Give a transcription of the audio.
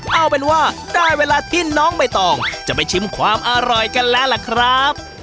เอาเป็นว่าได้เวลาที่น้องใบตองจะไปชิมความอร่อยกันแล้วล่ะครับ